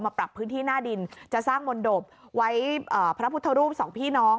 ปรับพื้นที่หน้าดินจะสร้างมนตบไว้พระพุทธรูปสองพี่น้อง